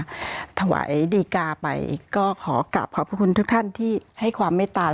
ก็ถวายดีกาไปก็ขอกลับขอบพระคุณทุกท่านที่ให้ความเมตตา